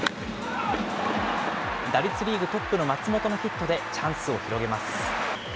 打率リーグトップの松本のヒットでチャンスを広げます。